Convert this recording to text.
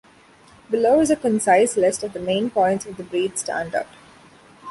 Below is a concise list of the main points of the breed standard.